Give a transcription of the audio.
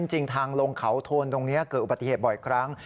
จริงทางลงเขาโทนตรงนี้เกิดอุบัติเหตุบ่อยครั้ง